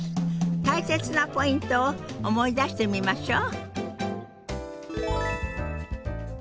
大切なポイントを思い出してみましょう。